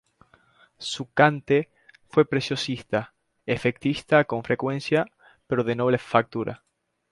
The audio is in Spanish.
Su cante fue preciosista, efectista con frecuencia, pero de noble factura.